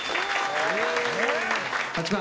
８番。